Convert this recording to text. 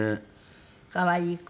可愛い子。